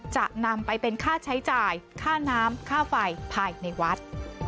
จะนำไปเป็นค่าใช้จ่ายค่าน้ำค่าไฟภายในวัด